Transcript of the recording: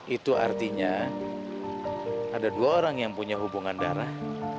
itu artinya ada dua orang yang punya hubungan darah